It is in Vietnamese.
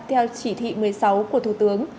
theo chỉ thị một mươi sáu của thủ tướng